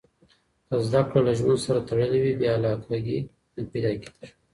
که زده کړه له ژوند سره تړلې وي، بې علاقګي نه پیدا کېږي.